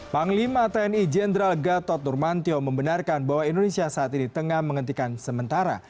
panglima tni jenderal gatot nurmantio membenarkan bahwa indonesia saat ini tengah menghentikan sementara